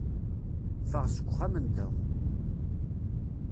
Ffeɣ seg uxxam-nteɣ.